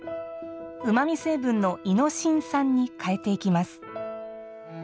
うまみ成分のイノシン酸に変えていきます。